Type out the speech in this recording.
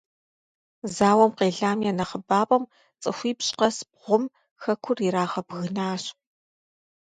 Зауэм къелам я нэхъыбапӀэм - цӀыхуипщӀ къэс бгъум - хэкур ирагъэбгынащ.